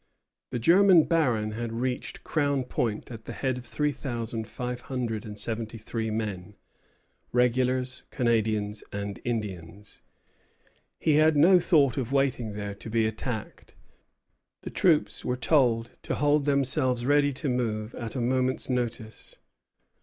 The German Baron had reached Crown Point at the head of three thousand five hundred and seventy three men, regulars, Canadians, and Indians. He had no thought of waiting there to be attacked. The troops were told to hold themselves ready to move at a moment's notice.